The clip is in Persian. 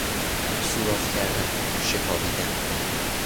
سوراخ کردن، شکاویدن